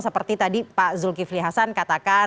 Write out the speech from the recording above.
seperti tadi pak zulkifli hasan katakan